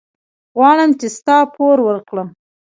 غواړم چې ستا پور ورکړم.